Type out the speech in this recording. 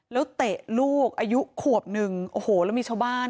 แล้วเตะลูกอายุขวบหนึ่งโอ้โหแล้วมีชาวบ้าน